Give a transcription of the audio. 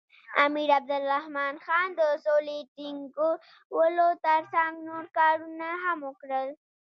امیر عبدالرحمن خان د سولې ټینګولو تر څنګ نور کارونه هم وکړل.